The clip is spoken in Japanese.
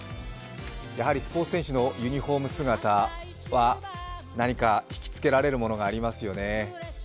やはりスポーツ選手のユニフォーム姿は何か引きつけられるものがありますよね。